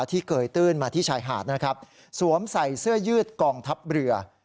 เกยตื้นมาที่ชายหาดนะครับสวมใส่เสื้อยืดกองทัพเรือ